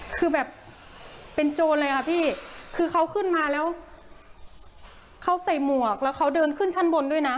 คือแบบเป็นโจรเลยค่ะพี่คือเขาขึ้นมาแล้วเขาใส่หมวกแล้วเขาเดินขึ้นชั้นบนด้วยนะ